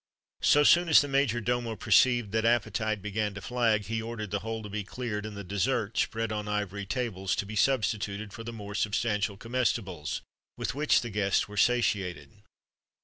[XXXV 81] So soon as the major domo perceived that appetite began to flag, he ordered the whole to be cleared, and the dessert, spread on ivory tables,[XXXV 82] to be substituted for the more substantial comestibles, with which the guests were satiated.